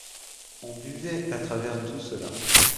On buvait à travers tout cela.